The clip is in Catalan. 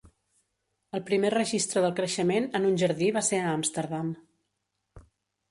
El primer registre del creixement en un jardí va ser a Amsterdam.